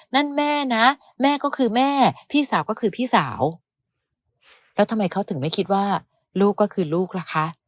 นั่นแม่นะแม่ก็คือแม่พี่สาวก็คือพี่สาวแล้วทำไมเขาถึงไม่คิดว่าลูกก็คือลูกล่ะคะ